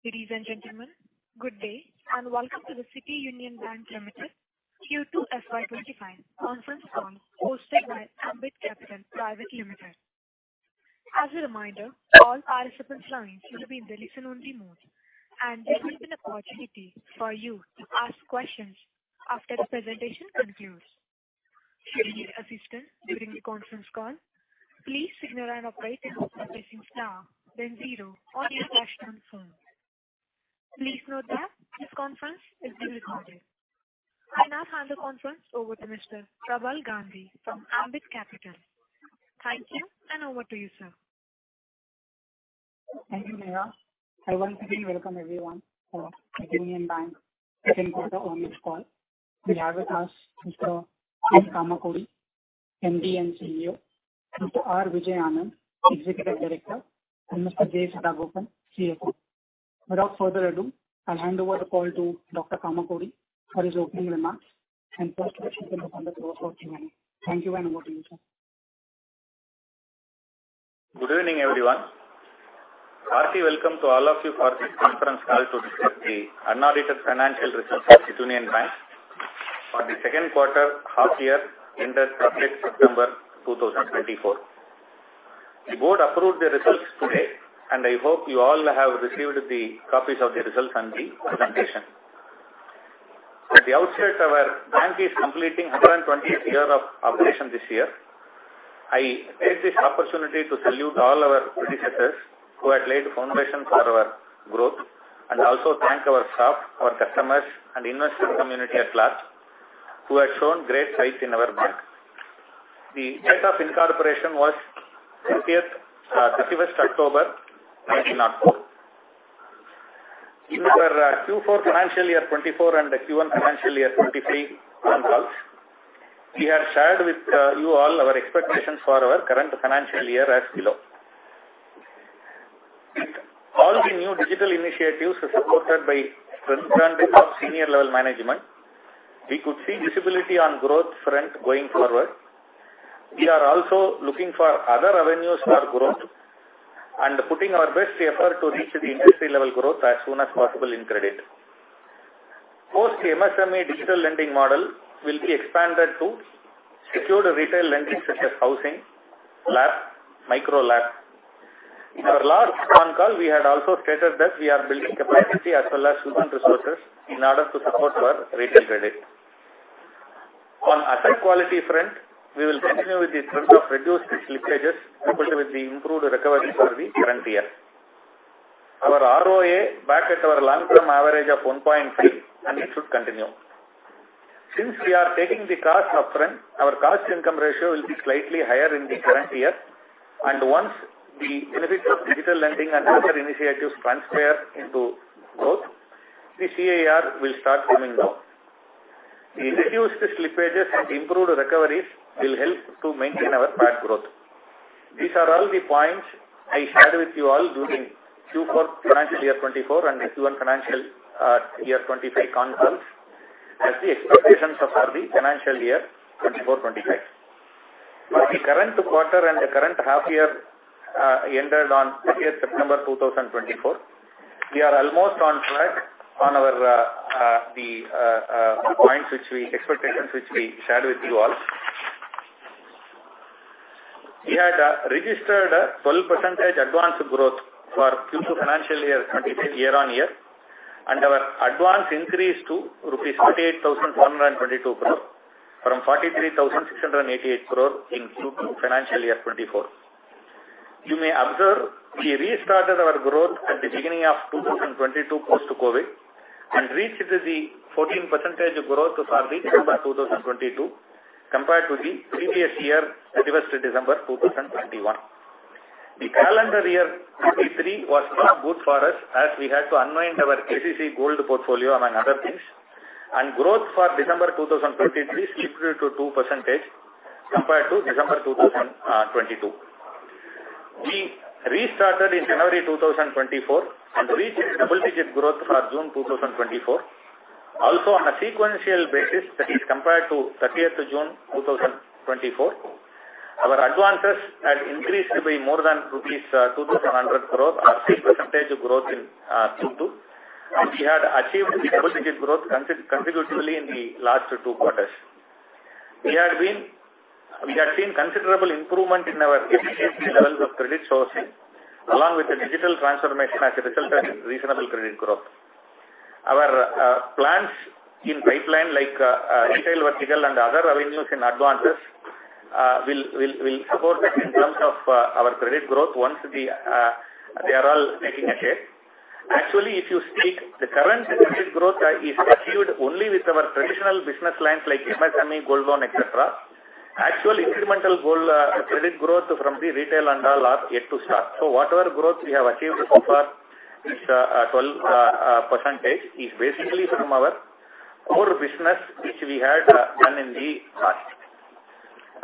Ladies and gentlemen, good day, and welcome to the City Union Bank Limited, Q2 FY 25 conference call, hosted by Ambit Capital Private Limited. As a reminder, all participants' lines need to be in the listen-only mode, and there will be an opportunity for you to ask questions after the presentation concludes. Should you need assistance during the conference call, please signal an operator by pressing star, then zero, on your touch tone phone. Please note that this conference is being recorded. I now hand the conference over to Mr. Prabal Gandhi from Ambit Capital. Thank you, and over to you, sir. Thank you, Neera. I once again welcome everyone for City Union Bank second quarter earnings call. We have with us Mr. N. Kamakodi, MD and CEO, Mr. R. Vijay Anandh, Executive Director, and Mr. J. Sadagopan, CFO. Without further ado, I'll hand over the call to Dr. Kamakodi for his opening remarks and first question from the floor, over to you. Thank you, and over to you, sir. Good evening, everyone. Hearty welcome to all of you for this conference call to discuss the unaudited financial results of City Union Bank for the second quarter half year ended September 2024. The board approved the results today, and I hope you all have received the copies of the results and the presentation. At the outset, our bank is completing 120th year of operation this year. I take this opportunity to salute all our predecessors who had laid the foundation for our growth and also thank our staff, our customers, and investor community at large, who had shown great faith in our bank. The date of incorporation was 20th, 31st October, 1904. In our Q4 financial year 2024 and the Q1 financial year 2023 con calls, we had shared with you all our expectations for our current financial year as below. All the new digital initiatives are supported by strong branding of senior level management. We could see visibility on growth front going forward. We are also looking for other avenues for growth and putting our best effort to reach the industry level growth as soon as possible in credit. Of course, the MSME digital lending model will be expanded to secure retail lending, such as housing, LAP, micro LAP. In our last con call, we had also stated that we are building capacity as well as human resources in order to support our retail credit. On asset quality front, we will continue with the trend of reduced slippages, coupled with the improved recovery for the current year. Our ROA back at our long-term average of 1.5, and it should continue. Since we are taking the cost upfront, our cost income ratio will be slightly higher in the current year, and once the benefits of digital lending and other initiatives transfer into growth, the CIR will start coming down. The reduced slippages and improved recoveries will help to maintain our NPA growth. These are all the points I shared with you all during Q4 financial year 2024 and Q1 financial year 2025 con calls, as the expectations for the financial year 2024, 2025. For the current quarter and the current half year ended on 30th September, 2024, we are almost on track on our expectations which we shared with you all. We had registered a 12% advance growth for Q2 financial year 2025, year-on-year, and our advance increased to rupees 48,122 crore, from 43,688 crore in Q2 financial year 2024. You may observe, we restarted our growth at the beginning of 2022, post-COVID, and reached the 14% growth for the December 2022, compared to the previous year, 31st December 2021. The calendar year 2023 was not good for us, as we had to unwind our Agri gold portfolio, among other things, and growth for December 2023 slipped to 2% compared to December 2022. We restarted in January 2024 and reached double digit growth for June 2024. Also, on a sequential basis, that is compared to 30th June 2024, our advances had increased by more than rupees 2,100 crore, a 6% growth in Q2, and we had achieved the double-digit growth consecutively in the last two quarters. We have seen considerable improvement in our efficiency levels of credit sourcing, along with the digital transformation as a result of reasonable credit growth. Our plans in pipeline, like retail vertical and other avenues in advances, will support us in terms of our credit growth once they are all getting ahead. Actually, if you speak, the current credit growth is achieved only with our traditional business lines like MSME, gold loan, etc. Actual incremental gold credit growth from the retail and all are yet to start. Whatever growth we have achieved so far, this 12%, is basically from our core business, which we had done in the past.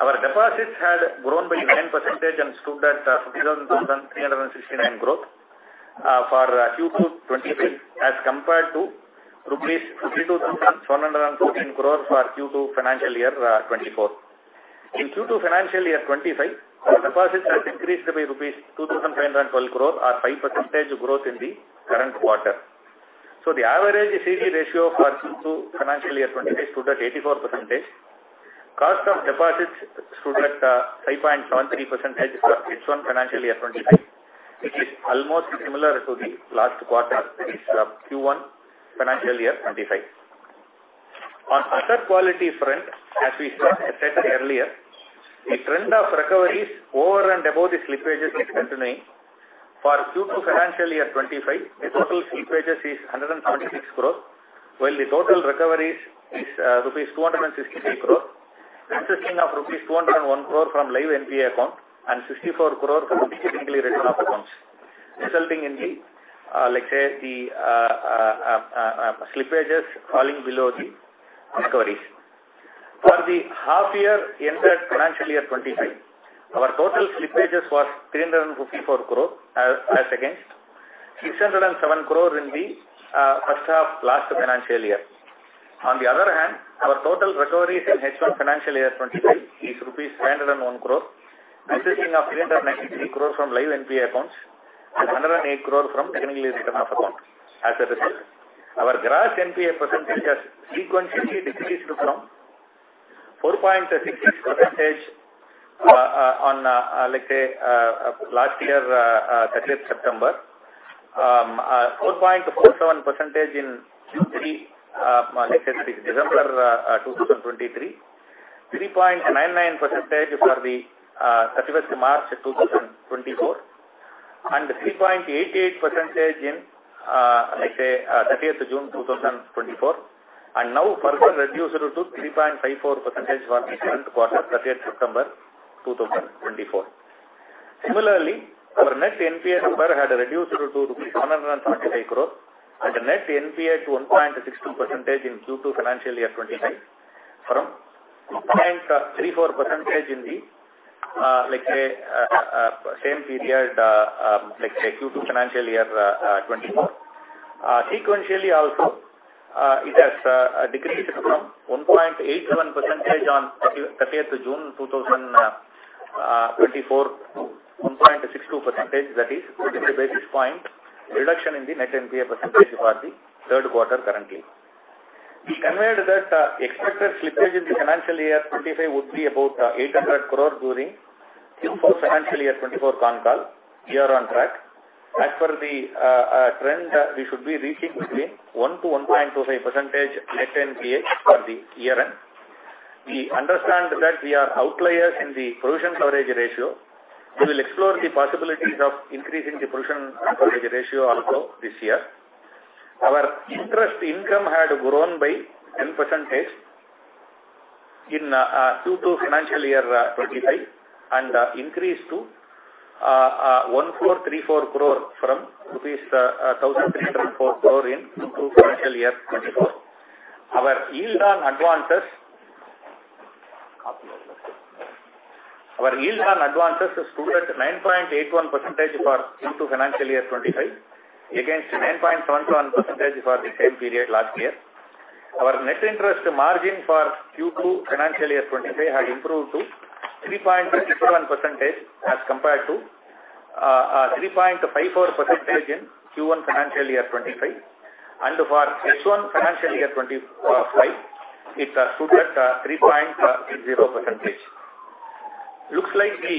Our deposits had grown by 9% and stood at 52,369 crore for Q2 2023, as compared to rupees 52,113 crore for Q2 financial year 2024. In Q2 financial year 2025, our deposits has increased by INR 2,512 crore or 5% growth in the current quarter. The average CD ratio for Q2 financial year 2025 stood at 84%. Cost of deposits stood at 5.13% for H1 financial year 2025, which is almost similar to the last quarter, is Q1 financial year 2025. On asset quality front, as we said earlier, the trend of recoveries over and above the slippages is continuing. For Q2 financial year 2025, the total slippages is 176 crores, while the total recoveries is rupees 263 crores, consisting of rupees 201 crore from live NPA account and 64 crore from technically written off accounts, resulting in the, like, say, the slippages falling below the recoveries. For the half year ended financial year 2025, our total slippages was 354 crore as against 607 crore in the first half last financial year. On the other hand, our total recoveries in H1 financial year 2025 is rupees 201 crore, consisting of 393 crore from live NPA accounts and 108 crore from technically written off account. As a result, our gross NPA percentage has sequentially decreased from 4.66%, on, like, say, last year, 30th September, 4.47% in Q3, like I said, December 2023, 3.99% for the 31st March 2024, and 3.88% in, let's say, 30th June 2024, and now further reduced to 3.54% for the current quarter, 30th September 2024. Similarly, our net NPA number had reduced to INR 175 crore at a net NPA to 1.62% in Q2 financial year 25, from 1.34% in the same period Q2 financial year 24. Sequentially also, it has decreased from 1.87% on 30th June 2024 to 1.62%, that is fifty basis point reduction in the net NPA percentage for the third quarter currently. We conveyed that expected slippage in the financial year 25 would be about 800 crore during Q4 financial year 24 con call. We are on track. As per the trend, we should be reaching between 1-1.25% net NPA for the year end. We understand that we are outliers in the provision coverage ratio. We will explore the possibilities of increasing the provision coverage ratio also this year. Our interest income had grown by 10% in Q2 financial year 2025, and increased to 1,434 crore from rupees 1,304 crore in Q2 financial year 2024. Our yield on advances stood at 9.81% for Q2 financial year 2025, against 9.71% for the same period last year. Our net interest margin for Q2 financial year 2025 had improved to 3.61%, as compared to 3.54% in Q1 financial year 2025. For H1 financial year 2025, it stood at 3.60%. Looks like the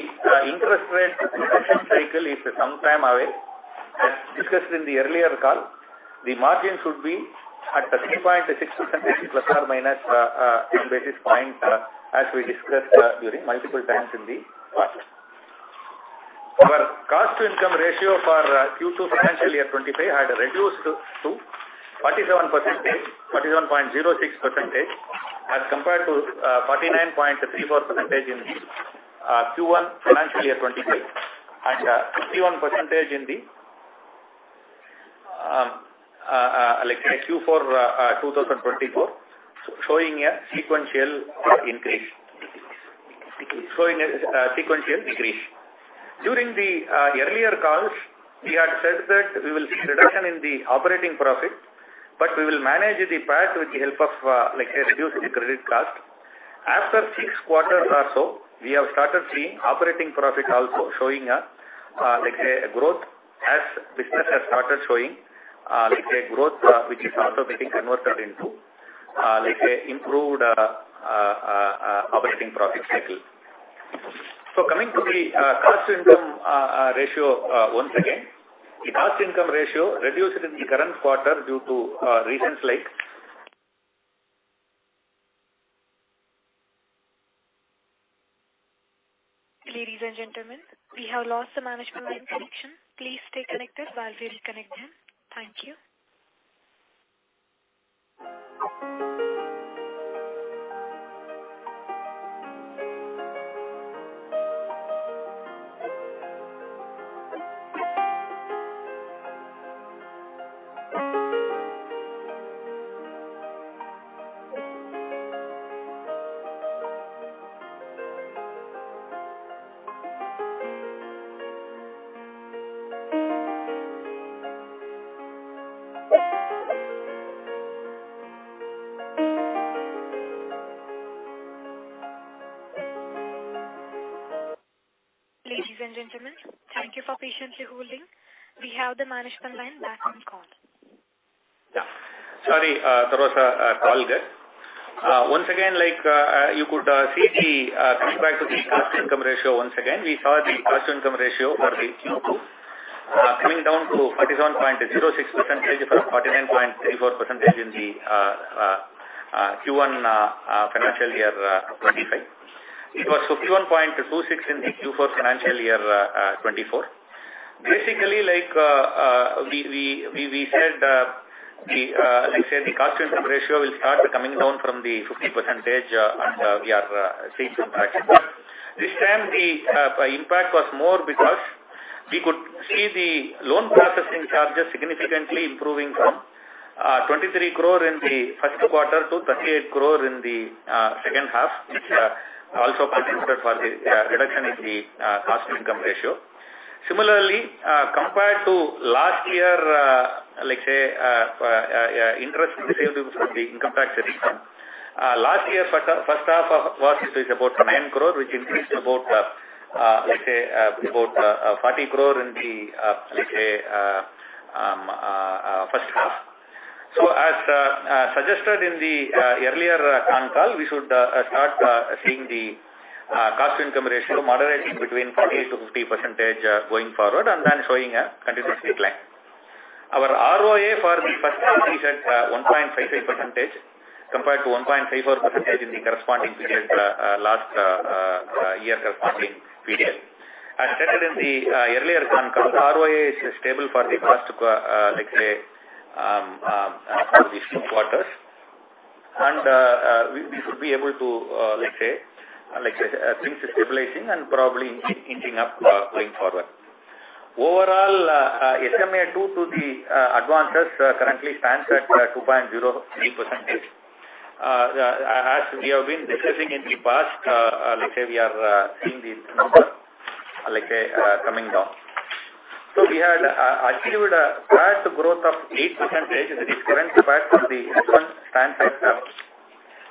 interest rate reduction cycle is some time away. As discussed in the earlier call, the margin should be at 3.6%, plus or minus ten basis points, as we discussed during multiple times in the past. Our cost to income ratio for Q2 financial year 25 had reduced to 47%-47.06%, as compared to 49.34% in the Q1 financial year 2025, and 51% in the Q4 2024, showing a sequential decrease. During the earlier calls, we had said that we will see reduction in the operating profit, but we will manage the PAT with the help of like a reduced credit cost. After six quarters or so, we have started seeing operating profit also showing a like a growth as business has started showing like a growth which is also being converted into like a improved operating profit cycle. Coming to the cost-to-income ratio, once again, the cost-to-income ratio reduced in the current quarter due to reasons like- Ladies and gentlemen, we have lost the management line connection. Please stay connected while we reconnect them. Thank you. ... Ladies and gentlemen, thank you for patiently holding. We have the management line back on call. Yeah. Sorry, there was a call there. Once again, like, you could see the coming back to the cost income ratio once again. We saw the cost income ratio for the Q2 coming down to 47.06% from 49.34% in the Q1 financial year 2025. It was 51.26% in the Q4 financial year 2024. Basically, like, we said the let's say the cost income ratio will start coming down from the 50% and we are seeing some action. This time the impact was more because we could see the loan processing charges significantly improving from 23 crore in the first quarter to 38 crore in the second half, which also contributed for the reduction in the cost income ratio. Similarly, compared to last year, let's say interest received from the income tax return. Last year first half was about 9 crore, which increased about let's say 40 crore in the first half. So as suggested in the earlier con call, we should start seeing the cost income ratio moderating between 40-50% going forward, and then showing a continuous decline. Our ROA for the first half is at 1.55%, compared to 1.54% in the corresponding period last year corresponding period. As stated in the earlier con call, the ROA is stable for the first qua- let's say for the few quarters. And we should be able to let's say like things are stabilizing and probably inching up going forward. Overall SMA-2 to the advances currently stands at 2.03%. As we have been discussing in the past let's say we are seeing the number like coming down. So we had achieved a broad growth of 8% in the current compared to the H1 stands at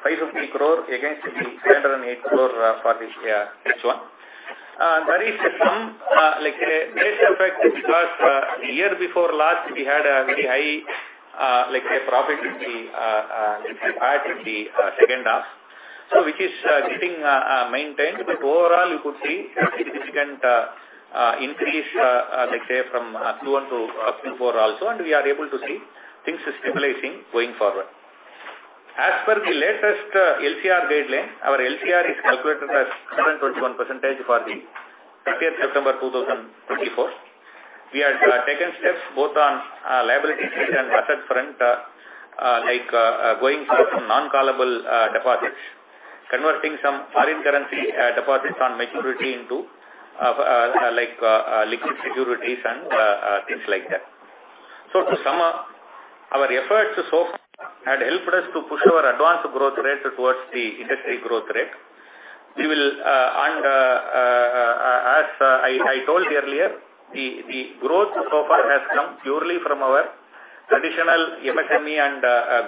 550 crore against the 708 crore for this year H1. There is some like a base effect, because year before last, we had a very high like a profit in the second half. So which is getting maintained. But overall, you could see a significant increase, let's say from Q1 to Q4 also, and we are able to see things stabilizing going forward. As per the latest LCR guideline, our LCR is calculated as 121% for the 30th September 2024. We had taken steps both on liability and asset front, like going for some non-callable deposits, converting some foreign currency deposits on maturity into like liquid securities and things like that. So to sum up, our efforts so far had helped us to push our advances growth rate towards the industry growth rate. We will and as I told you earlier, the growth so far has come purely from our traditional MSME and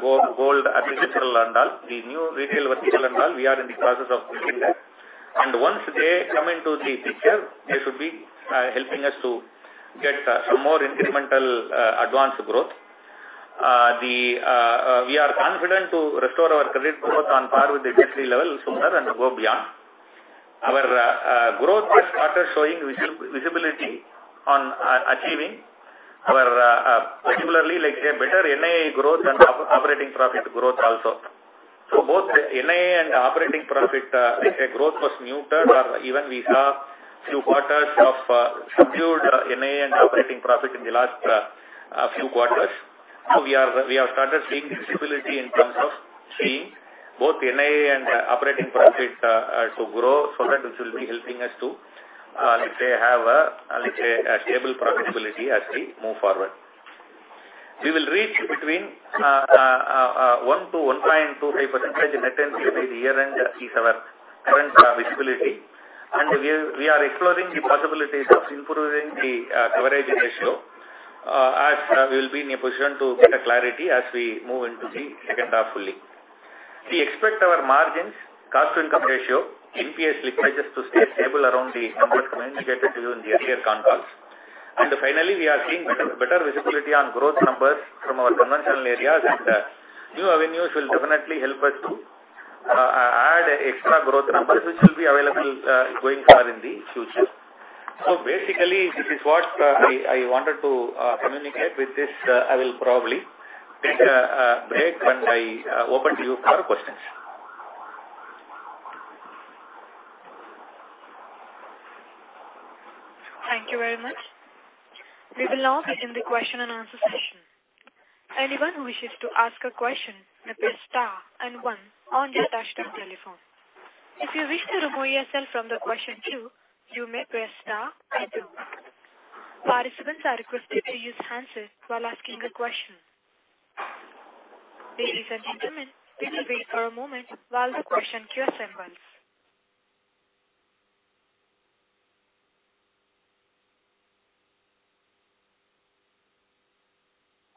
gold agricultural and all, the new retail vertical and all, we are in the process of doing that. And once they come into the picture, they should be helping us to get some more incremental advances growth. We are confident to restore our credit growth on par with the industry level sooner and go beyond. Our growth has started showing visibility on achieving our particularly, like, a better NII growth and operating profit growth also, so both NII and operating profit, let's say growth was muted, or even we saw few quarters of subdued NII and operating profit in the last few quarters, so we have started seeing visibility in terms of seeing both NII and operating profit to grow, so that this will be helping us to, let's say, have a, let's say, a stable profitability as we move forward. We will reach between 1% to 1.25% net NPA by the year-end is our current visibility. And we are exploring the possibilities of improving the coverage ratio as we will be in a position to get a clarity as we move into the second half fully. We expect our margins, cost to income ratio, NPA slippages to stay stable around the numbers communicated to you in the earlier con calls. And finally, we are seeing better visibility on growth numbers from our conventional areas, and new avenues will definitely help us to add extra growth numbers, which will be available going forward in the future. So basically, this is what I wanted to communicate. With this, I will probably take a break, and I open to you for questions. Thank you very much. We will now begin the question and answer session. Anyone who wishes to ask a question may press star and one on your touch-tone telephone. If you wish to remove yourself from the question queue, you may press star and two. Participants are requested to use handset while asking a question. Ladies and gentlemen, we will wait for a moment while the question queue assembles.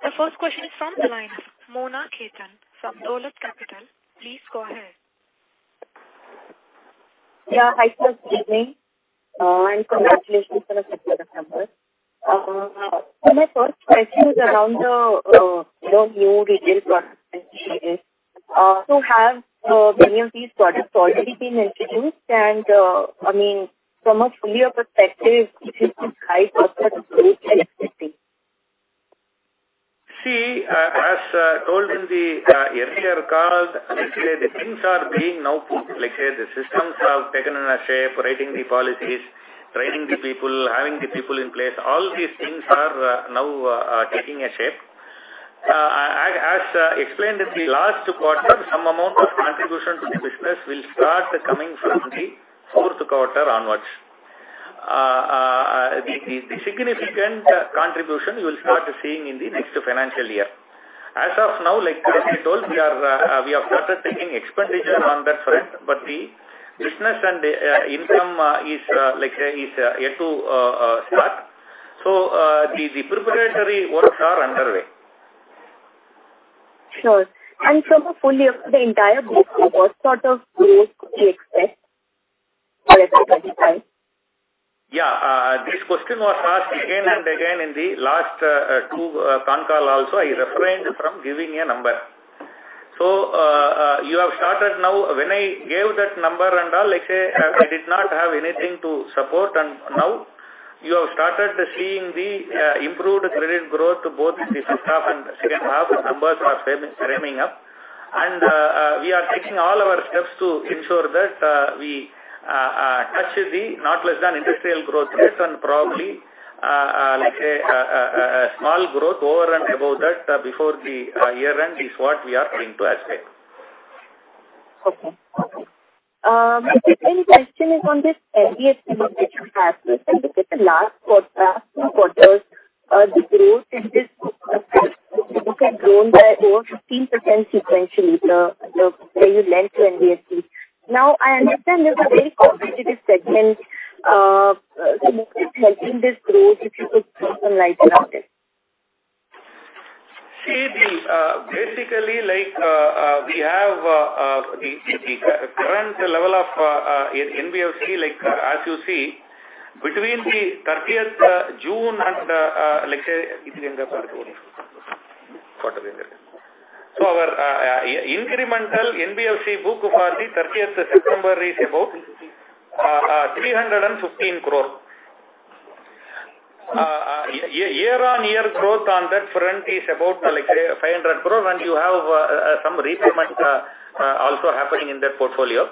The first question is from the line, Mona Khetan from Dolat Capital. Please go ahead. Yeah. Hi, sir. Good evening, and congratulations on a September. So my first question is around the, you know, new retail products. So have many of these products already been introduced? And, I mean, from a full year perspective, which is the high growth that is very interesting. See, as told in the earlier call, like, say, the things are being now put. Like, say, the systems have taken in a shape, writing the policies, training the people, having the people in place, all these things are now taking a shape. As explained in the last quarter, some amount of contribution to the business will start coming from the fourth quarter onwards. The significant contribution you will start seeing in the next financial year. As of now, like, as we told, we have started taking expenditure on that front, but the business and the income is like, say, yet to start. So, the preparatory works are underway. Sure. And for the full year, the entire group, what sort of growth do you expect by the 35? Yeah. This question was asked again and again in the last two con call also. I refrained from giving a number. So, you have started now. When I gave that number and all, like, say, I did not have anything to support, and now you have started seeing the improved credit growth, both in the first half and second half, the numbers are framing up. And, we are taking all our steps to ensure that we touch the not less than industrial growth rate and probably, like, say, a small growth over and above that, before the year end is what we are planning to achieve. Okay. My second question is on this NBFC, which you have, and if you look at the last quarter, two quarters, the growth in this book, the book had grown by over 15% sequentially, where you lent to NBFC. Now, I understand this is a very competitive segment, so what is helping this growth, if you could throw some light on it? See, basically, like, we have the current level of NBFC, like, as you see, between the 30th June and, like, say. so our incremental NBFC book for the 30th September is about 315 crore. year-on-year growth on that front is about, like, say, 500 crore, and you have some repayments also happening in that portfolio.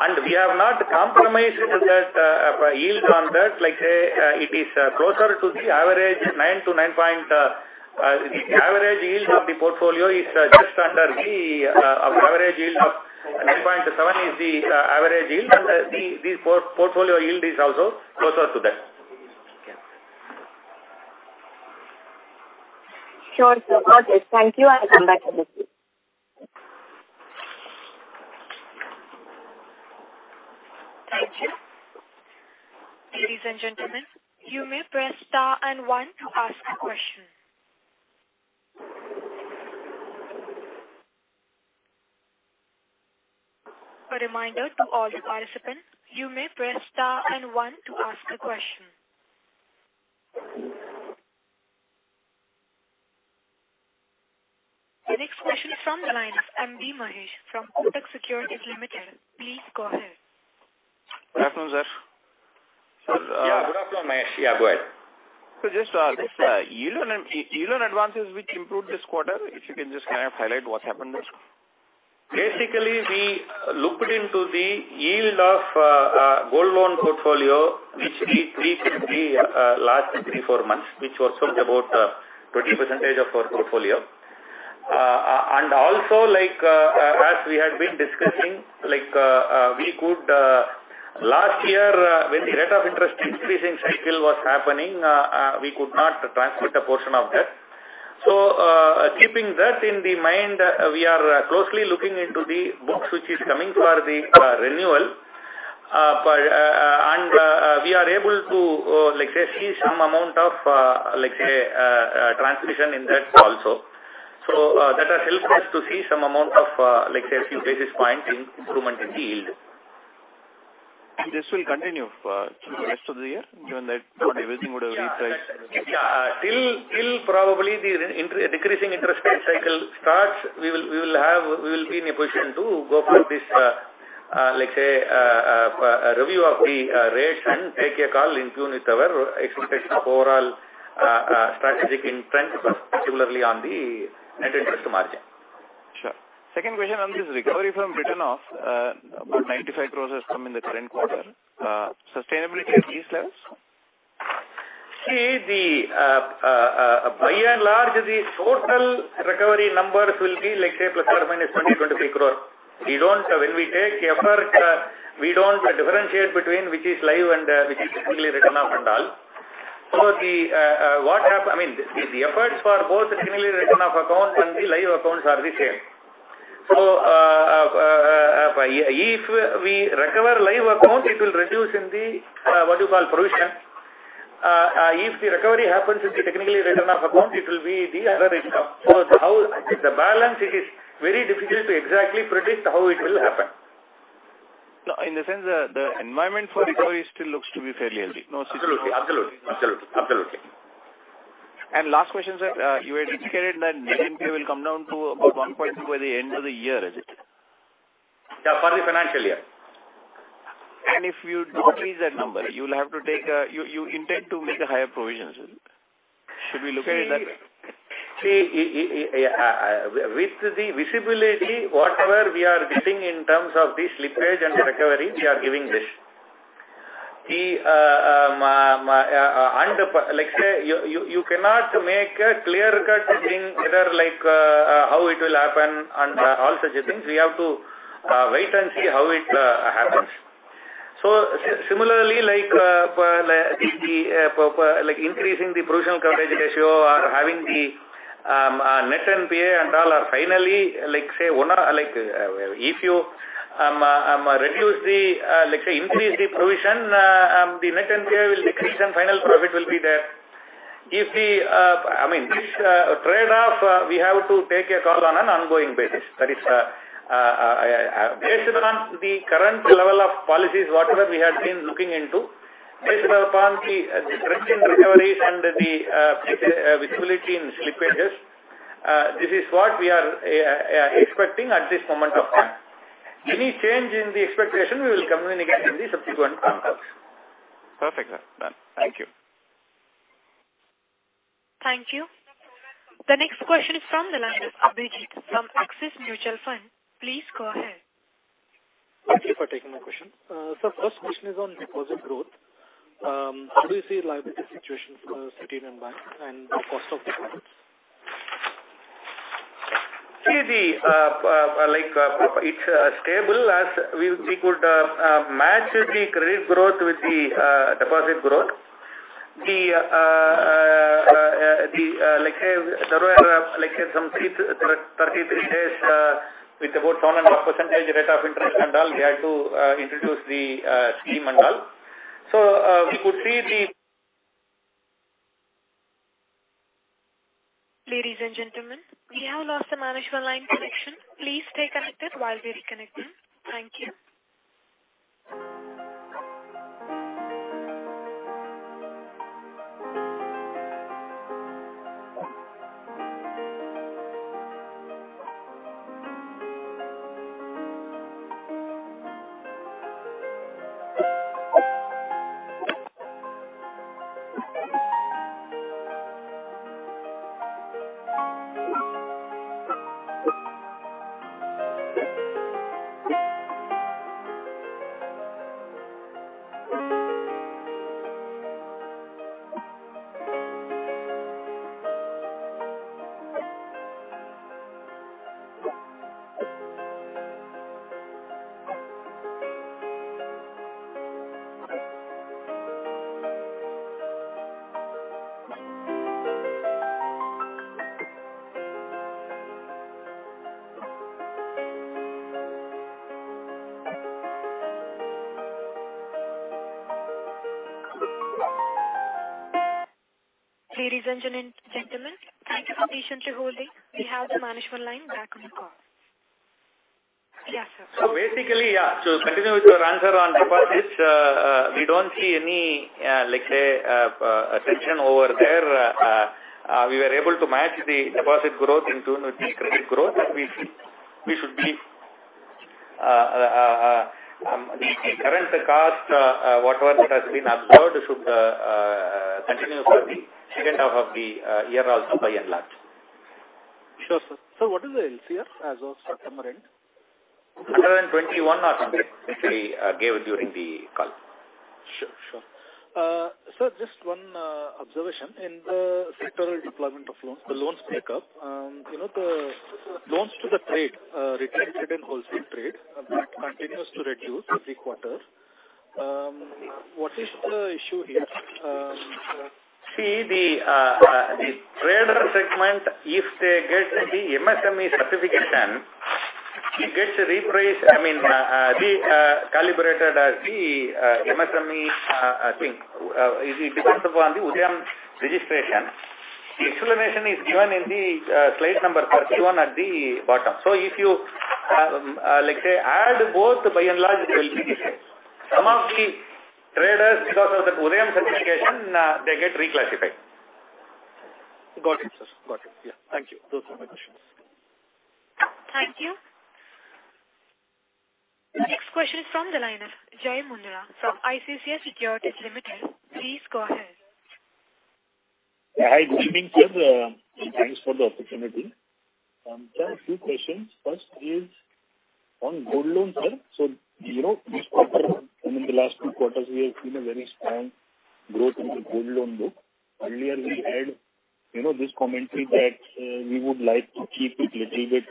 And we have not compromised with that yield on that, like, say, it is closer to the average nine to nine point, the average yield of the portfolio is just under the average yield of nine point seven is the average yield, and the portfolio yield is also closer to that. Sure, sir. Okay. Thank you. I'll come back to this. Thank you. Ladies and gentlemen, you may press star and one to ask a question. A reminder to all the participants, you may press star and one to ask a question. The next question is from the line of M.B. Mahesh from Kotak Securities Limited. Please go ahead. Good afternoon, sir. Yeah, good afternoon, Mahesh. Yeah, go ahead. Just this yield on advances which improved this quarter, if you can just kind of highlight what happened there? Basically, we looked into the yield of Gold Loan portfolio, which we increased in the last three, four months, which was about 20% of our portfolio. And also, like, as we had been discussing, like, we could last year, when the rate of interest increasing cycle was happening, we could not transmit a portion of that. So, keeping that in the mind, we are closely looking into the books which is coming for the renewal. But, and, we are able to, let's say, see some amount of, like, say, transmission in that also. So, that has helped us to see some amount of, like, say, a few basis points in improvement in the yield. This will continue for the rest of the year, given that everything would have repriced? Yeah. Till probably the interest decreasing interest rate cycle starts, we will be in a position to go for this, let's say, review of the rates and take a call in tune with our expectation of overall strategic imprint, particularly on the net interest margin. Sure. Second question on this recovery from written-off, about 95 crores has come in the current quarter. Sustainability at these levels? See, by and large, the total recovery numbers will be, like, say, plus or minus 20-25 crore. We don't... When we take effort, we don't differentiate between which is live and, which is typically written off and all. So what happened, I mean, the efforts for both the clearly written off accounts and the live accounts are the same. So, if we recover live account, it will reduce in the, what you call, provision. If the recovery happens in the technically written off account, it will be the other income. So how, the balance, it is very difficult to exactly predict how it will happen. No, in the sense, the environment for recovery still looks to be fairly healthy. No? Absolutely. Last question, sir. You had indicated that NPA will come down to about 1.2% by the end of the year, is it? Yeah, for the financial year. If you do not reach that number, you will have to take, you intend to make the higher provisions. Should we look at that? See, with the visibility, whatever we are getting in terms of the slippages and recovery, we are giving this. Like, say, you cannot make a clear-cut thing, whether, like, how it will happen and all such things. We have to wait and see how it happens. So similarly, like, the, like, increasing the provision coverage ratio or having the net NPA and all are finally, like, say, one, like, if you reduce the, let's say, increase the provision, the net NPA will decrease and final profit will be there. If the, I mean, this trade-off, we have to take a call on an ongoing basis. That is, based on the current level of policies, whatever we have been looking into, based upon the trend in recoveries and the visibility in slippages, this is what we are expecting at this moment of time. Any change in the expectation, we will communicate in the subsequent conference calls. Perfect, sir. Done. Thank you. Thank you. The next question is from the line of Abhijeet from Axis Mutual Fund. Please go ahead. Thank you for taking my question. Sir, first question is on deposit growth. How do you see liability situation for City Union Bank and cost of deposits? See, like, it's stable as we could match the credit growth with the deposit growth. Like, say, like, some 33 days with about 1.5% rate of interest and all, we had to introduce the scheme and all. So, we could see the- Ladies and gentlemen, we have lost the management line connection. Please stay connected while we reconnect them. Thank you. Ladies and gentlemen, thank you for patiently holding. We have the management line back on the call. Yes, sir. So basically, yeah, to continue with your answer on deposits, we don't see any, like, say, tension over there. We were able to match the deposit growth in tune with the credit growth, and we see we should be, the current cost, whatever that has been observed should continue for the second half of the year also, by and large. Sure, sir. So what is the LCR as of September end? 121 or something, we gave during the call. Sure, sure. Sir, just one observation. In the sectoral deployment of loans, the loans make up, you know, the loans to the trade, retail trade and wholesale trade, that continues to reduce every quarter. What is the issue here? See, the trader segment, if they get the MSME certification, it gets repriced, I mean, the calibrated as the MSME thing. It depends upon the Udyam registration. The explanation is given in the slide number 31 at the bottom. So if you, let's say, add both by and large, some of the traders, because of that Udyam certification, they get reclassified. Got it, sir. Got it. Yeah. Thank you. Those are my questions. Thank you. The next question is from the line of Jai Mundhra from ICICI Securities Limited. Please go ahead. Hi, good evening, sir. Thanks for the opportunity. Sir, a few questions. First is on gold loan, sir. So, you know, this quarter and in the last two quarters, we have seen a very strong growth in the gold loan book. Earlier, we had, you know, this commentary that, we would like to keep it little bit,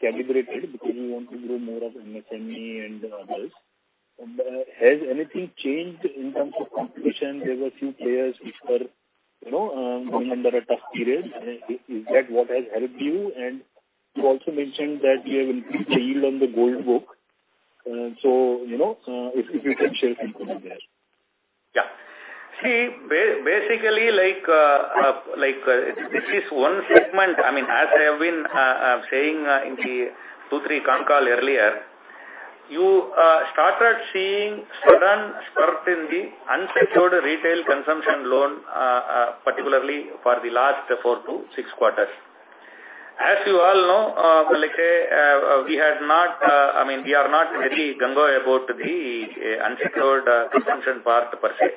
calibrated because we want to grow more of MSME and others. Has anything changed in terms of competition? There were few players which were, you know, going under a tough period. Is that what has helped you? And you also mentioned that you have increased the yield on the gold book. So, you know, if you can share something there. Yeah. See, basically, like, it is one segment, I mean, as I have been saying, in the two, three con call earlier, you started seeing sudden spurt in the unsecured retail consumption loan, particularly for the last four to six quarters. As you all know, like, we had not, I mean, we are not very gung-ho about the unsecured consumption part per se.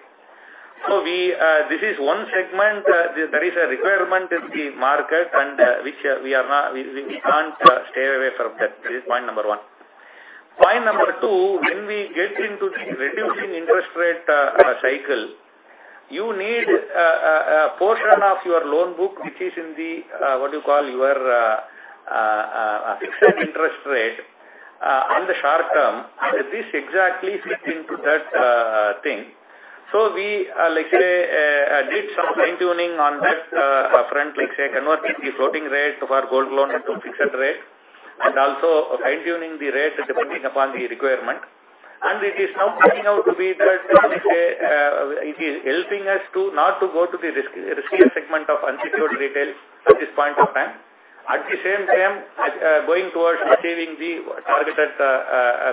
So we, this is one segment, there is a requirement in the market, and, which we are not, we can't stay away from that. This is point number one. Point number two, when we get into the reducing interest rate cycle, you need a portion of your loan book, which is in the what you call your fixed interest rate on the short term. This exactly fit into that thing. So we like say did some fine-tuning on that front, like say converting the floating rate for Gold Loan into fixed rate, and also fine-tuning the rate depending upon the requirement. And it is now turning out to be that like it is helping us to not to go to the riskier segment of unsecured retail at this point of time. At the same time going towards achieving the targeted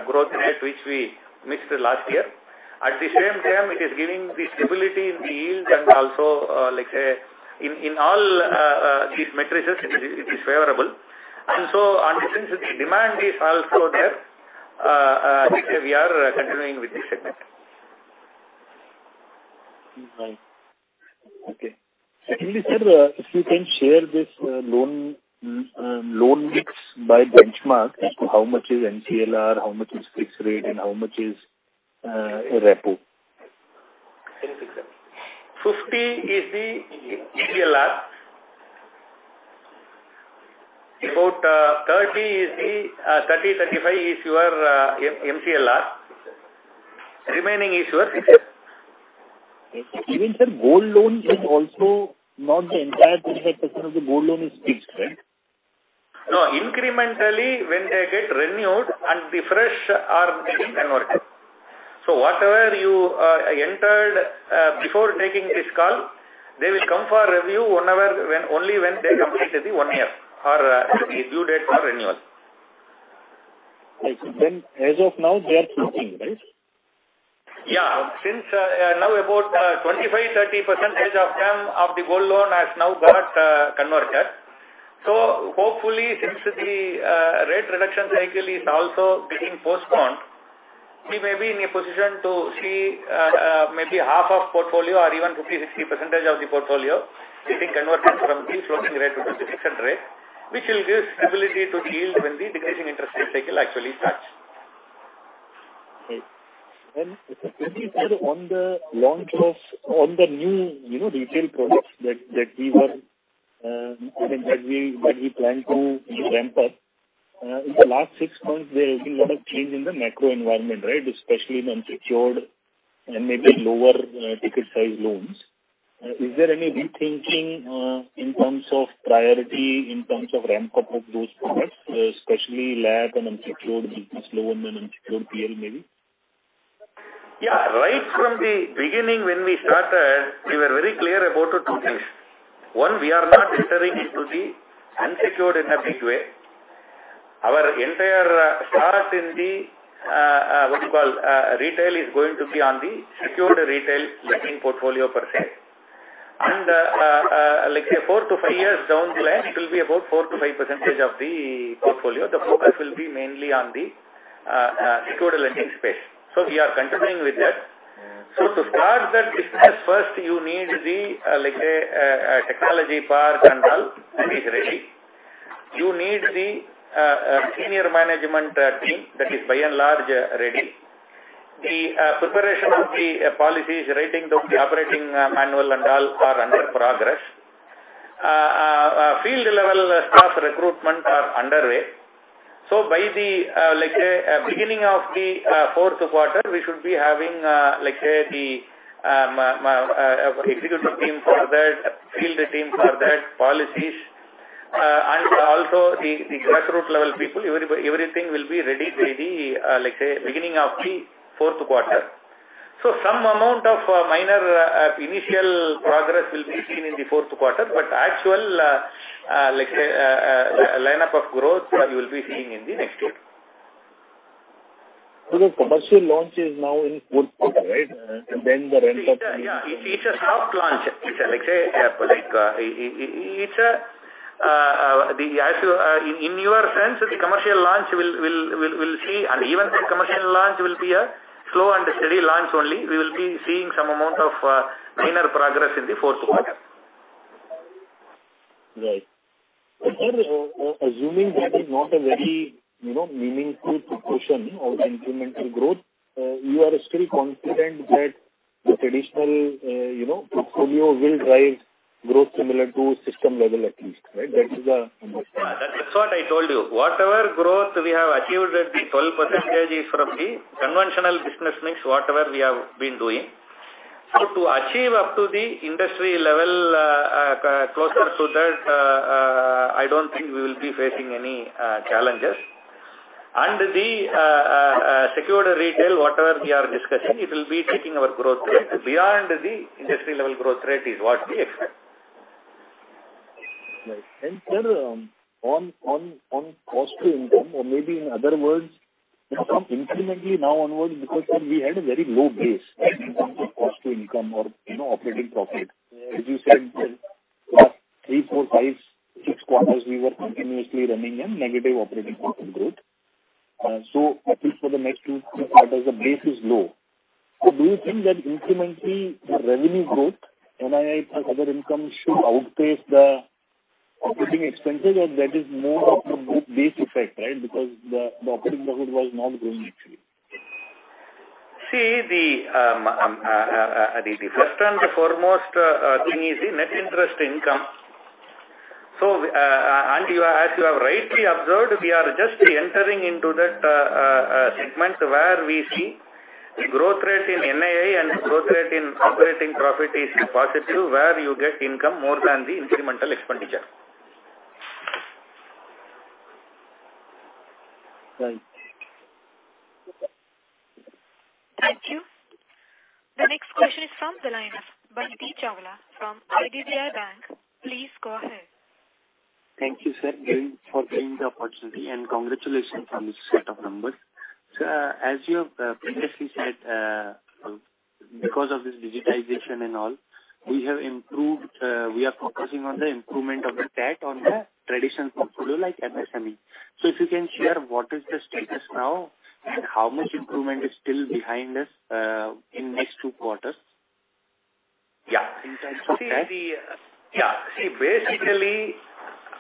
growth rate, which we missed last year. At the same time, it is giving the stability in the yield, and also, like, say, in all these metrics, it is favorable. And so on, since the demand is also there, we are continuing with this segment. Right. Okay. Secondly, sir, if you can share this, loan mix by benchmark, how much is MCLR, how much is fixed rate, and how much is repo? 50 is the MCLR. About 30 is the 30-35 is your MCLR. Remaining is your... Even, sir, Gold Loan is also not the entire percentage of the Gold Loan is fixed, right? No, incrementally, when they get renewed and the fresh are getting converted. So whatever you entered before taking this call, they will come for review whenever only when they complete the one year or the due date for renewal. Then as of now, they are fixing, right? Yeah. Since now about 25%-30% of them, of the gold loan has now got converted. So hopefully, since the rate reduction cycle is also getting postponed, we may be in a position to see maybe half of portfolio or even 50%-60% of the portfolio getting converted from the floating rate to the fixed rate, which will give stability to yield when the decreasing interest rate cycle actually starts. Okay. Then, could you tell on the launch of, on the new, you know, retail products that we were, I think that we plan to ramp up? In the last six months, there has been a lot of change in the macro environment, right? Especially in unsecured and maybe lower ticket size loans. Is there any rethinking in terms of priority, in terms of ramp up of those products, especially LAP and unsecured business loan and unsecured PL maybe? Yeah, right from the beginning when we started, we were very clear about the two things. One, we are not entering into the unsecured in a big way. Our entire focus in the what you call retail is going to be on the secured retail lending portfolio per se. And, like, say, four to five years down the line, it will be about 4%-5% of the portfolio. The focus will be mainly on the secured lending space. So we are continuing with that. So to start that business, first you need the, let's say, technology part and all, that is ready. You need the senior management team that is by and large ready. The preparation of the policies, writing down the operating manual and all are under progress. Field level staff recruitment are underway. So by the, like, beginning of the fourth quarter, we should be having, like, say, the executive team for that, field team for that, policies, and also the grassroots level people. Everything will be ready by the, like, say, beginning of the fourth quarter. So some amount of minor initial progress will be seen in the fourth quarter, but actual, like, say, lineup of growth, you will be seeing in the next year. Because commercial launch is now in fourth quarter, right? Then the ramp up- Yeah, it's a soft launch. It's like, say, in your sense, the commercial launch will see, and even the commercial launch will be a slow and steady launch only. We will be seeing some amount of minor progress in the fourth quarter. Right. Assuming that is not a very, you know, meaningful proportion of incremental growth, you are still confident that the traditional, you know, portfolio will drive growth similar to system level, at least, right? That is the- Yeah, that's what I told you. Whatever growth we have achieved at the 12% is from the conventional business, means whatever we have been doing. So to achieve up to the industry level, closer to that, I don't think we will be facing any challenges. And the secured retail, whatever we are discussing, it will be taking our growth rate beyond the industry level growth rate, is what we expect. Right. And sir, on cost to income, or maybe in other words, incrementally now onwards, because we had a very low base in terms of cost to income or, you know, operating profit. As you said, well, three, four, five, six quarters, we were continuously running a negative operating profit growth. So at least for the next two quarters, the base is low. So do you think that incrementally, the revenue growth, NII plus other income, should outpace the operating expenses, or that is more of a base effect, right? Because the operating profit was not growing, actually. See, the first and the foremost thing is the net interest income. So, and as you have rightly observed, we are just entering into that segment where we see the growth rate in NII and growth rate in operating profit is positive, where you get income more than the incremental expenditure. Right. Thank you. The next question is from the line of Bunty Chawla from IDBI Capital. Please go ahead. Thank you, sir, for giving the opportunity, and congratulations on this set of numbers. Sir, as you have previously said, because of this digitization and all, we have improved, we are focusing on the improvement of the tech on the traditional portfolio, like MSME. So if you can share, what is the status now, and how much improvement is still behind us, in next two quarters? Yeah. Okay. Yeah. See, basically,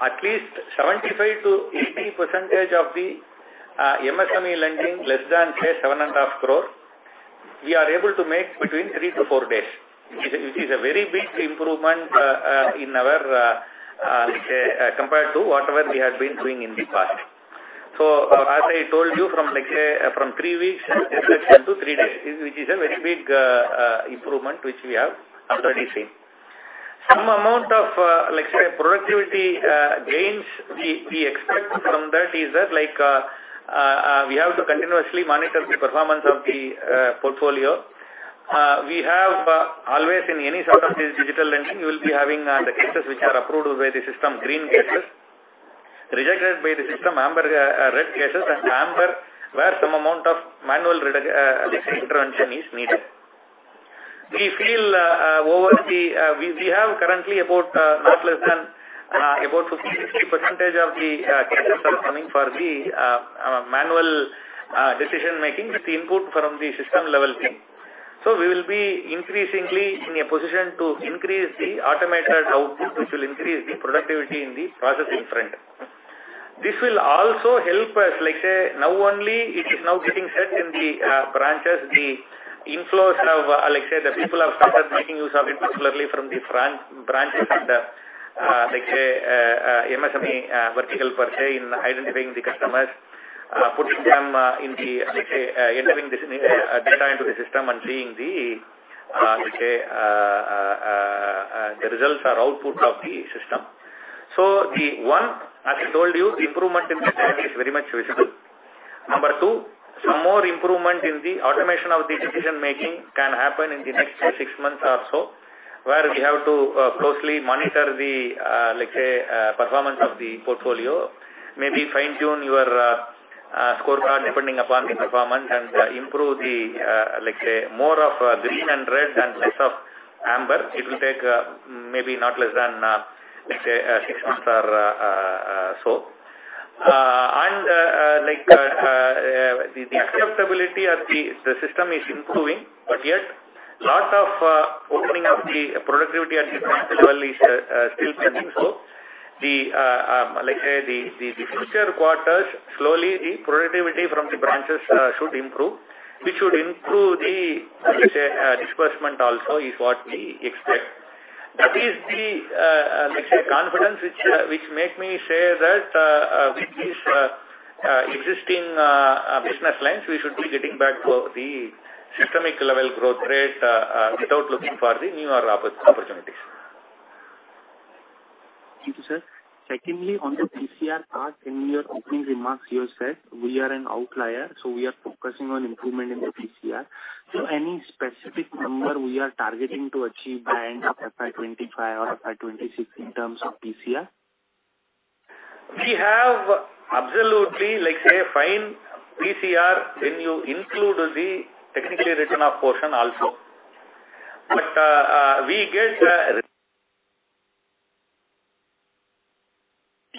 at least 75%-80% of the MSME lending, less than, say, 7.5 crores, we are able to make between three to four days, which is a very big improvement in our, let's say, compared to whatever we had been doing in the past. So as I told you, from, like, three weeks, let's say, to three days, which is a very big improvement, which we have already seen. Some amount of, let's say, productivity gains we expect from that is that, like, we have to continuously monitor the performance of the portfolio. We have always in any sort of digital lending, you will be having the cases which are approved by the system, green cases, rejected by the system, amber, red cases, and amber, where some amount of manual intervention is needed. We feel over the we have currently about not less than about 50-60% of the cases are coming for the manual decision-making with the input from the system level team. We will be increasingly in a position to increase the automated output, which will increase the productivity in the processing front. This will also help us, like, say, now only it is now getting set in the branches. The inflows have, like, say, the people have started making use of it, particularly from the branches and the, like, MSME vertical per se, in identifying the customers, putting them in the entering this data into the system and seeing the, let's say, the results or output of the system. So the one, as I told you, the improvement in the tech is very much visible. Number two, some more improvement in the automation of the decision-making can happen in the next six months or so, where we have to closely monitor the, let's say, performance of the portfolio, maybe fine-tune your scorecard depending upon the performance, and improve the, like, say, more of green and red and less of amber. It will take maybe not less than, let's say, six months or so. And like, the acceptability of the system is improving, but yet lot of opening up the productivity at the branch level is still pending. So the, like, say, the future quarters, slowly, the productivity from the branches should improve, which should improve the, let's say, disbursement also is what we expect. That is the, let's say, confidence which make me say that, with this existing business lines, we should be getting back to the systemic level growth rate, without looking for the new opportunities. Thank you, sir. Secondly, on the PCR part, in your opening remarks, you said we are an outlier, so we are focusing on improvement in the PCR. So any specific number we are targeting to achieve by end of FY 2025 or FY 2026 in terms of PCR? We have absolutely, like, say, fine PCR when you include the technically written-off portion also. But we get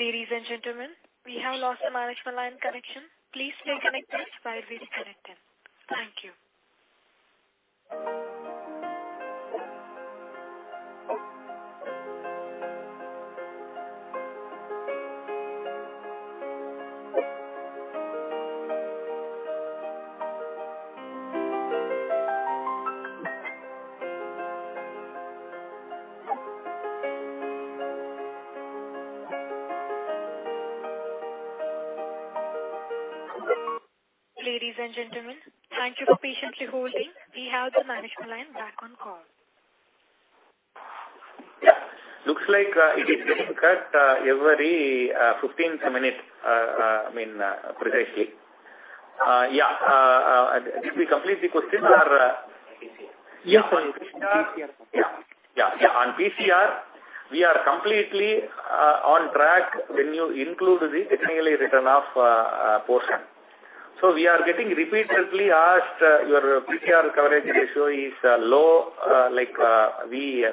Ladies and gentlemen, we have lost the management line connection. Please stay connected while we reconnect them. Thank you. ... Ladies and gentlemen, thank you for patiently holding. We have the management line back on call. Yeah, looks like it is every 15 minutes, I mean, precisely. Yeah, did we complete the question or? Yes. Yeah. Yeah, yeah. On PCR, we are completely on track when you include the technically written off portion. So we are getting repeatedly asked, your PCR coverage ratio is low, like, we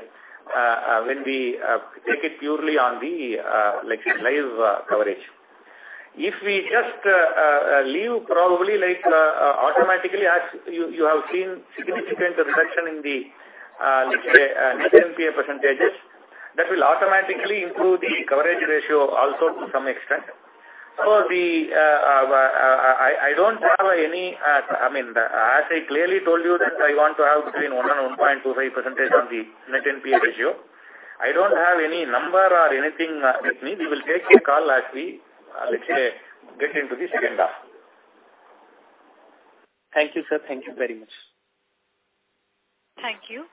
when we take it purely on the like live coverage. If we just leave probably, like, automatically, as you have seen significant reduction in the like NPA percentages, that will automatically improve the coverage ratio also to some extent. So the I don't have any, I mean, as I clearly told you, that I want to have between one and 1.25% on the net NPA ratio. I don't have any number or anything with me. We will take a call as we, let's say, get into the second half. Thank you, sir. Thank you very much. Thank you.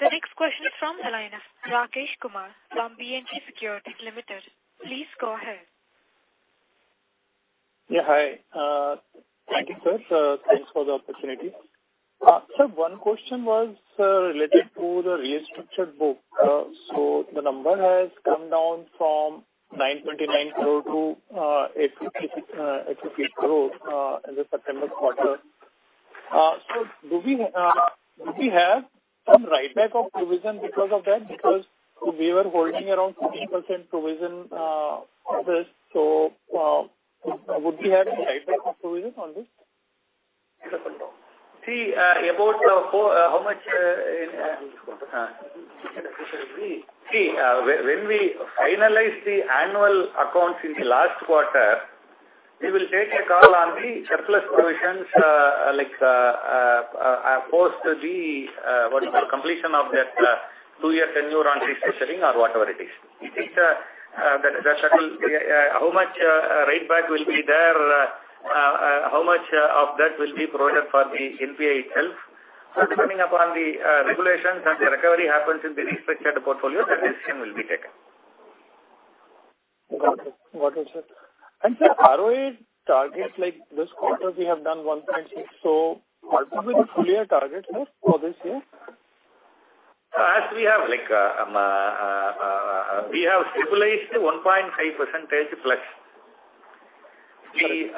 The next question is from the line of Rakesh Kumar from B&K Securities Limited. Please go ahead. Yeah, hi. Thank you, sir. Thanks for the opportunity. Sir, one question was related to the restructured book. So the number has come down from 9.9 crore to 8 crore in the September quarter. So do we have some write back of provision because of that? Because we were holding around 50% provision for this. So would we have a write back of provision on this? See, about how much. See, when we finalize the annual accounts in the last quarter, we will take a call on the surplus provisions, like, post the, what you call, completion of that two-year tenure on restructuring or whatever it is. If it's that, how much write back will be there, how much of that will be provided for the NPA itself. So depending upon the regulations and the recovery happens in the restricted portfolio, that decision will be taken. Got it. Got it, sir. And sir, ROA targets, like, this quarter, we have done one point six. So what will be the full year target, sir, for this year? As we have, like, we have stabilized to 1.5% plus. We,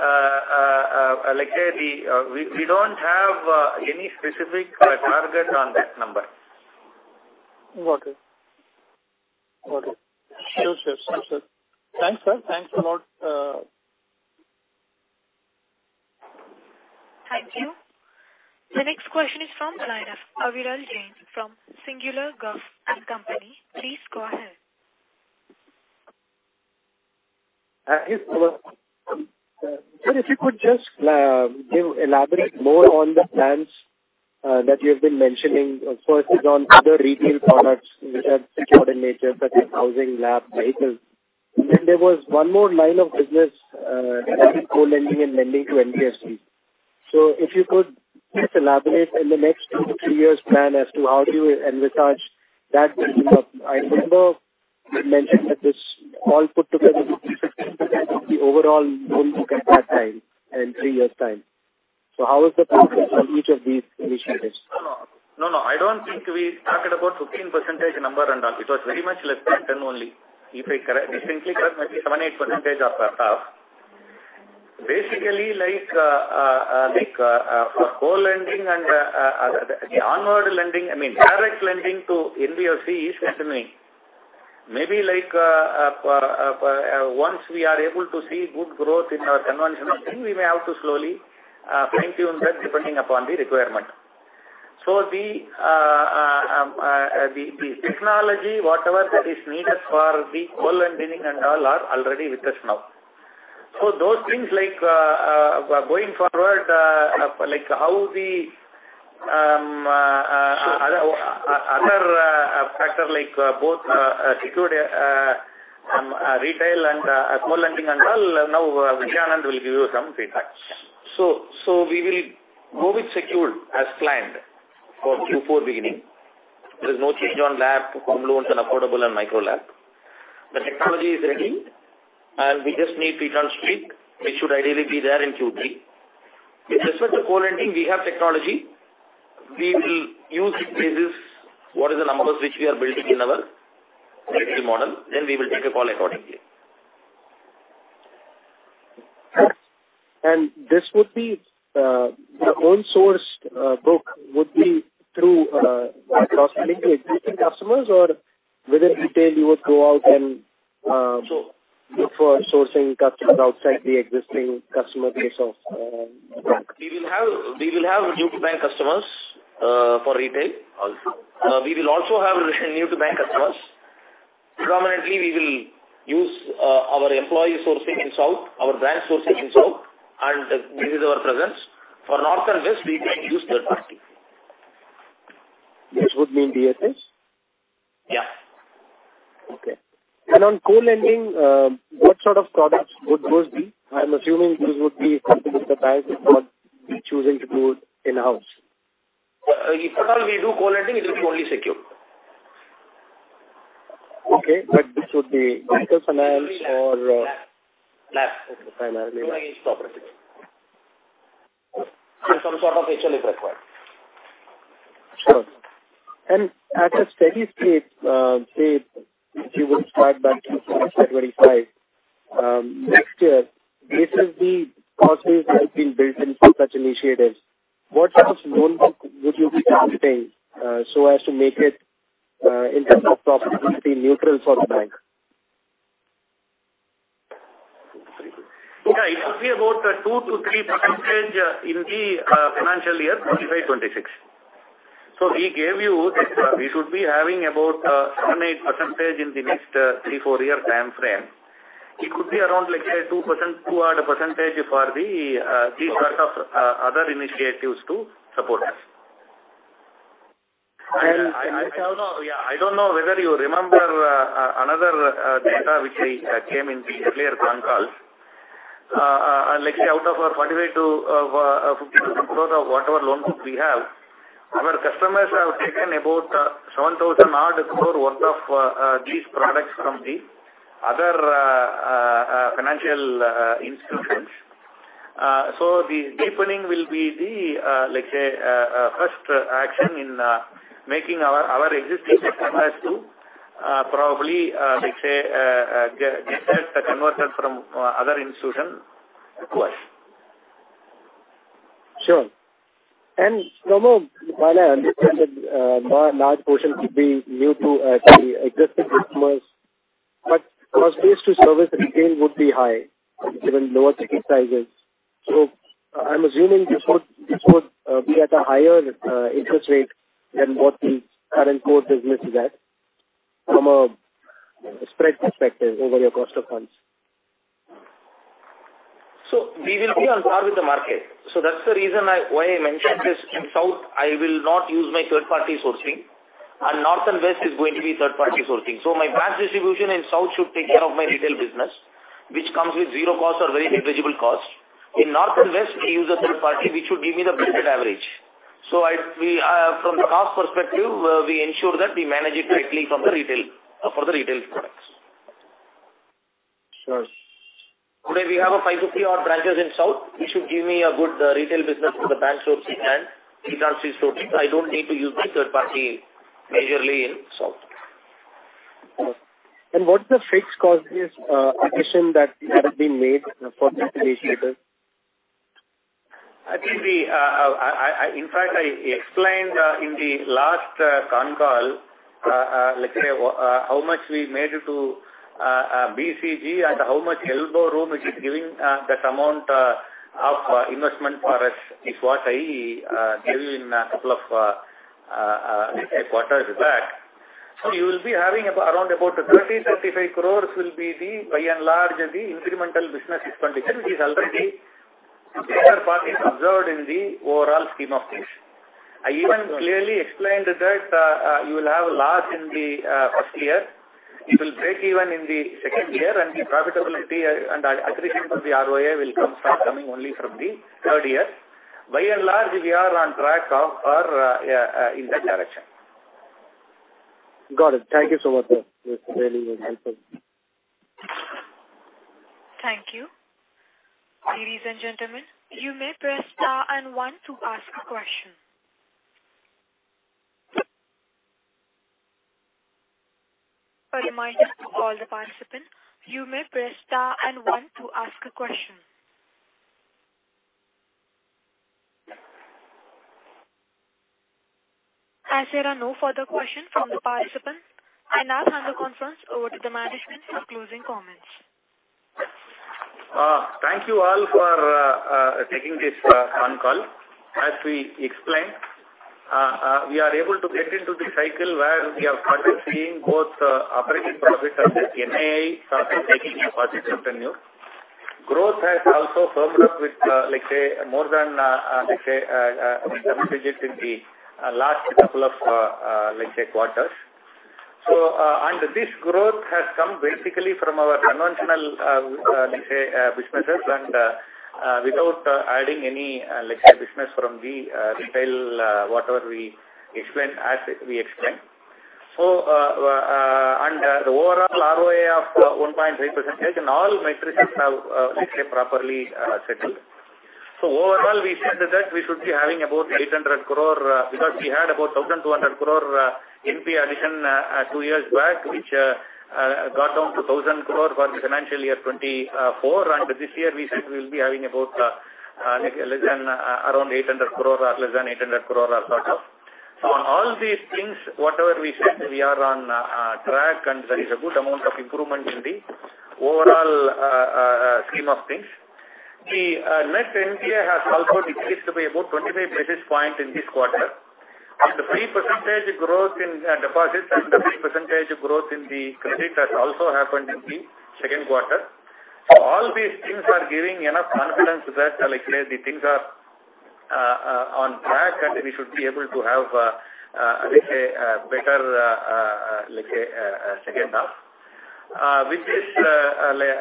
like, we, we don't have any specific target on that number. Got it. Got it. Sure, sure. Thanks, sir. Thanks a lot. Thank you. The next question is from the line of Aviral Jain from Siguler Guff & Company. Please go ahead. Hi, sir. Sir, if you could just elaborate more on the plans that you have been mentioning. First is on other retail products which are secured in nature, such as housing, LAP, vehicles. Then there was one more line of business that is co-lending and lending to NBFC. So if you could just elaborate in the next two to three years plan as to how do you envisage that business? I remember you mentioned that this all put together, the overall loan book at that time, in three years' time. So how is the progress on each of these initiatives? No, no. I don't think we talked about 15% number and all. It was very much less than 10 only. If I correct, distinctly correct, maybe 7-8% of the half. Basically, like, for co-lending and, the onward lending, I mean, direct lending to NBFC is continuing. Maybe like, once we are able to see good growth in our conventional thing, we may have to slowly, fine-tune that depending upon the requirement. So the, the technology, whatever that is needed for the co-lending and all, are already with us now. So those things like, going forward, like how the, other, factor like both, secured, retail and, co-lending and all, now, Vijay Anandh will give you some feedback. We will move into secured as planned for Q4 beginning. There is no change on LAP, home loans, and affordable and micro LAP. The technology is ready, and we just need regulatory steer, which should ideally be there in Q3. With respect to co-lending, we have technology. We will use it based what is the numbers which we are building in our model, then we will take a call accordingly. This would be the own source book would be through cross-selling the existing customers or within retail you would go out and look for sourcing customers outside the existing customer base of bank? We will have new bank customers for retail also. We will also have new to bank customers... predominantly, we will use our employee sourcing in South, our branch sourcing in South, and this is our presence. For North and West, we will use third party. This would mean DSA? Yeah. Okay. And on co-lending, what sort of products would those be? I'm assuming this would be something that the bank is not choosing to do in-house. If at all we do co-lending, it will be only secured. Okay, but this would be consumer finance or- Yeah. Okay, primarily. Against properties. Some sort of HL is required. Sure. And at a steady state, say, if you would start back to February five, next year, this is the cost base that has been built in for such initiatives. What sort of loan book would you be targeting, so as to make it, in terms of profitability neutral for the bank? Yeah, it should be about two to three% in the financial year 2025-2026. So we gave you that, we should be having about seven to eight% in the next three to four-year time frame. It could be around, like, say, 2%, two odd% for these sort of other initiatives to support us. And- I don't know, yeah, I don't know whether you remember another data which we came in the earlier con call. Like, out of our 42-52 crores of whatever loan book we have, our customers have taken about 7,000-odd crore worth of these products from the other financial institutions. So the deepening will be the, let's say, first action in making our existing customers to probably, let's say, get that converted from other institution acquired. Sure. And for a while I understand that a large portion could be new to the existing customers, but cost base to service again would be high, given lower ticket sizes. So I'm assuming this would be at a higher interest rate than what the current core business is at, from a spread perspective over your cost of funds. So we will be on par with the market. So that's the reason why I mentioned this. In South, I will not use my third-party sourcing, and North and West is going to be third-party sourcing. So my branch distribution in South should take care of my retail business, which comes with zero cost or very negligible cost. In North and West, we use a third party, which should give me the blended average. So I, we, from the cost perspective, we ensure that we manage it rightly from the retail, for the retail products. Sure. Today, we have 550-odd branches in South, which should give me a good retail business for the bank sourcing and refinance sourcing. I don't need to use the third party majorly in South. What's the fixed cost base addition that has been made for this initiative? I think the, in fact, I explained, in the last conf call, let's say, how much we made to BCG and how much elbow room it is giving, that amount of investment for us, is what I gave you in a couple of quarters back. So you will be having around about 30-35 crores will be the, by and large, the incremental business expenditure, which is already observed in the overall scheme of things. I even clearly explained that, you will have a loss in the 1st year. You will break even in the 2nd year, and the profitability and the accretion of the ROA will come start coming only from the 3rd year. By and large, we are on track in that direction. Got it. Thank you so much, sir. This really was helpful. Thank you. Ladies and gentlemen, you may press star and one to ask a question. A reminder to all the participants, you may press star and one to ask a question. As there are no further questions from the participants, I now hand the conference over to the management for closing comments. Thank you all for taking this con call. As we explained, we are able to get into the cycle where we have started seeing both operating profit and the NII starting making a positive revenue. Growth has also firmed up with, let's say, more than, let's say, double digits in the last couple of, let's say, quarters. And this growth has come basically from our conventional, let's say, businesses and without adding any, let's say, business from the retail whatever we explained, as we explained. And the overall ROA of 1.8% and all metrics have, let's say, properly settled. So overall, we said that we should be having about 800 crore because we had about 1,200 crore NPA addition two years back, which got down to 1,000 crore for the financial year 2024. And this year, we said we will be having about less than around 800 crore or less than 800 crore or sort of. So on all these things, whatever we said, we are on track, and there is a good amount of improvement in the overall scheme of things. The net NPA has also decreased by about 25 basis points in this quarter. And the 3% growth in deposits and the 3% growth in the credit has also happened in the second quarter. So all these things are giving enough confidence that, let's say, the things are on track, and we should be able to have, let's say, second half. With this, let's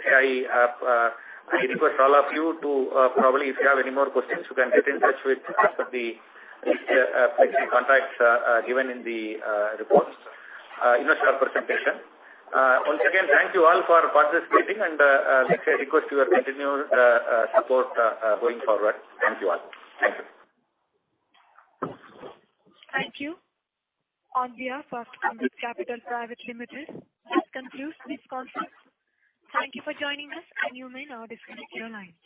say, I request all of you to probably, if you have any more questions, you can get in touch with us at the contacts given in the report, investor presentation. Once again, thank you all for participating, and, let's say, I request your continued support going forward. Thank you all. Thank you. On behalf of Ambit Capital Private Limited, this concludes this conference. Thank you for joining us, and you may now disconnect your lines.